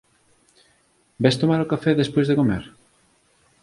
Ves tomar ó café despois de comer?